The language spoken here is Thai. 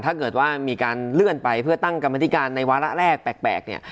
ถ้าเกิดว่ามีการเลื่อนไปเพื่อตั้งกรรมธิการในวาระแรกแปลกเนี่ย